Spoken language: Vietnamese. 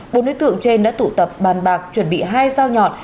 bốn đối tượng trên đã tụ tập bàn bạc chuẩn bị hai sao nhọn